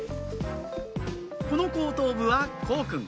この後頭部は幸くん